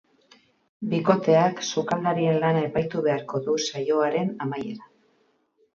Bikoteak sukaldarien lana epaitu beharko du saioaren amaieran.